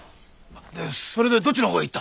それでどっちの方へ行った？